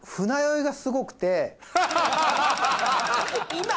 今？